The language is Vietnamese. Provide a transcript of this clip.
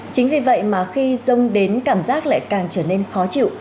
chính vì vậy mà khi dâng đến cảm giác lại càng trở nên khó chịu